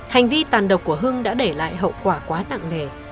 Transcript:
hành vi tàn độc của hưng đã để lại hậu quả quá nặng nề